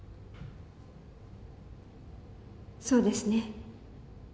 そうですね。